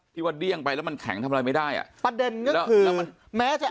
ว่าเดี้ยงไปแล้วมันแข็งทำอะไรไม่ได้อ่ะประเด็นก็คือมันแม้จะ